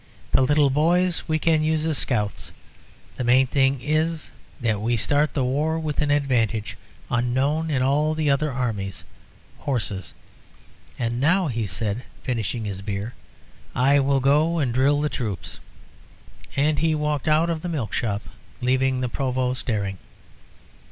The little boys we can use as scouts. The main thing is that we start the war with an advantage unknown in all the other armies horses. And now," he said, finishing his beer, "I will go and drill the troops." And he walked out of the milk shop, leaving the Provost staring.